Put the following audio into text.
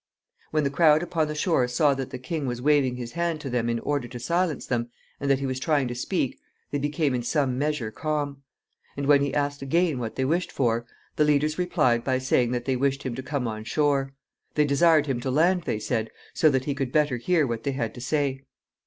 When the crowd upon the shore saw that the king was waving his hand to them in order to silence them, and that he was trying to speak, they became in some measure calm; and when he asked again what they wished for, the leaders replied by saying that they wished him to come on shore. They desired him to land, they said, so that he could better hear what they had to say.